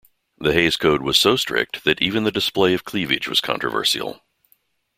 The Hays Code was so strict that even the display of cleavage was controversial.